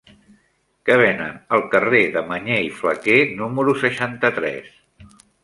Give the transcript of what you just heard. Què venen al carrer de Mañé i Flaquer número seixanta-tres?